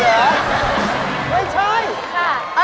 ไม่ใช่